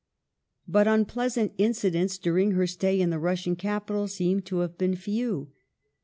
But unpleasant incidents during her stay in the. Russian capital seem to have been few.